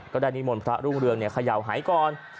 ก็ได้นิหม่อนพระรุ่งเรืองขยาวหายก่อน